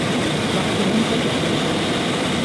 Баҡсанан ҡайтып киләбеҙ.